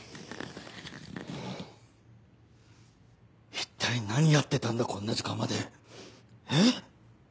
一体何やってたんだこんな時間までえぇ？